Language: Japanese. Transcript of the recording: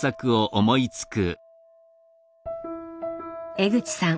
江口さん